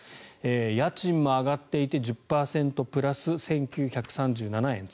家賃も上がっていて１０％プラス１９３７円、月。